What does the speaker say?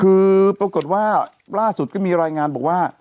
คือปรากฏว่าล่าสุดก็มีรายงานบอกว่า